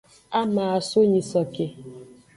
Ama aso nyisoke.